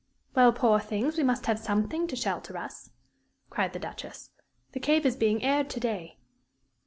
"Well, poor things, we must have something to shelter us!" cried the Duchess. "The Cave is being aired to day."